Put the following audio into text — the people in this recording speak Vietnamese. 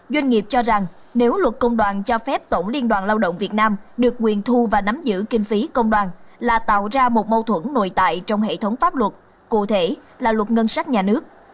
doanh nghiệp cho rằng nếu luật công đoàn cho phép tổng liên đoàn lao động việt nam được quyền thu và nắm giữ kinh phí công đoàn là tạo ra một mâu thuẫn nội tại trong hệ thống pháp luật cụ thể là luật ngân sách nhà nước